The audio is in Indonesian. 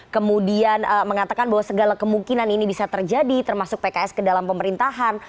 kemudian mengatakan bahwa segala kemungkinan ini bisa terjadi termasuk pks ke dalam pemerintahan